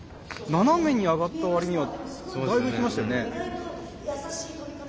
斜めに上がったわりにはだいぶいきましたよね。